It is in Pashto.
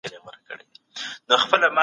د دوی کیسه یوازې د واده نه ده.